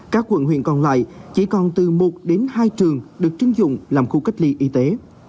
các quận huyện còn lại chỉ còn từ một đến hai trường được chứng dụng làm khu cách ly y tế